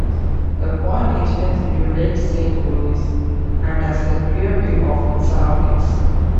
The point extends into Lake Saint-Louis and has a clear view of its surroundings.